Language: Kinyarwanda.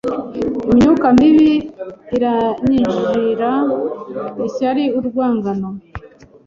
imyuka mibi iranyinjira, ishyari, urwangano,